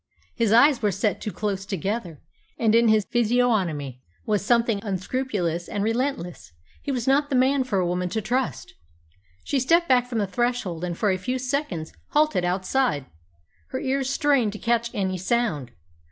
His eyes were set too close together, and in his physiognomy was something unscrupulous and relentless. He was not the man for a woman to trust. She stepped back from the threshold, and for a few seconds halted outside, her ears strained to catch any sound.